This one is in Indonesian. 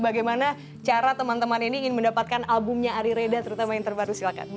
bagaimana cara teman teman ini ingin mendapatkan albumnya ari reda terutama yang terbaru silakan